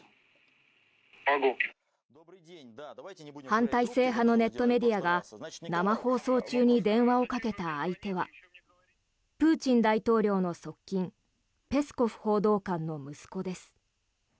反体制派のネットメディアが生放送中に電話をかけた相手はプーチン大統領の側近ペスコフ報道官の息子です。